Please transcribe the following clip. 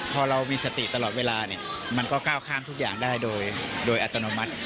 พอเรามีสติตลอดเวลาเนี่ยมันก็ก้าวข้ามทุกอย่างได้โดยอัตโนมัติ